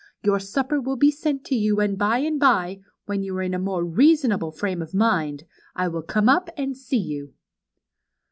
Your supper Avill be sent to you, and by and by, when you are in a more reason able frame of mind, I Avill come up and see you."